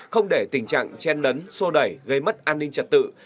không để tình trạng chen nấn xô đẩy gây mất an ninh trật tự